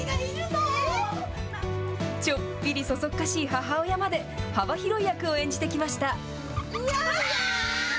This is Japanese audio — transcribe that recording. ちょっぴりそそっかしい母親まで、幅広い役を演じてきました。